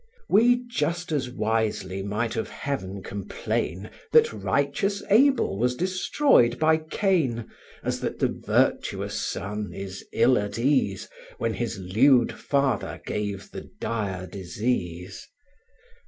We just as wisely might of Heaven complain That righteous Abel was destroyed by Cain, As that the virtuous son is ill at ease When his lewd father gave the dire disease.